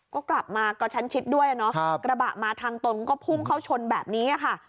ก็กลับมากระชั้นชิดด้วยเนาะกระบะมาทางตนก็พุ่งเข้าชนแบบนี้ค่ะ